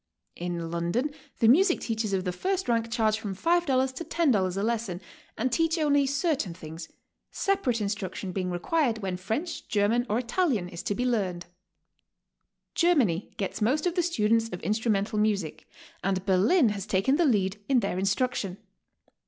In London the music teachers of the first rank charge from $5 to $10 a les son, and teach only certain things, separate instruction being required when French, German or Italian is to be learned. Gerntany gets most of the students of instrumental music, and Berlin has taken the lead in their instruction.